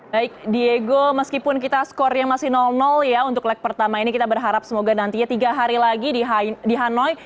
baik diego meskipun kita skornya masih ya untuk leg pertama ini kita berharap semoga nantinya tiga hari lagi di hanoi